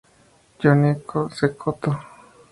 Johnny Cecotto Jr.